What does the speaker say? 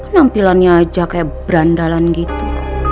nampilannya aja kayak berandalan gitu